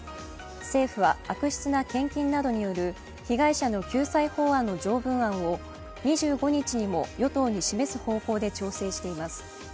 政府は悪質な献金などによる被害者の救済法案の条文案を２５日にも与党に示す方向で調整しています。